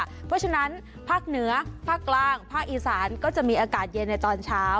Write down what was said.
เพราะฉะนั้นภาคเหนือภาคกลางภาคอีสานก็จะมีอากาศเย็นในตอนเช้า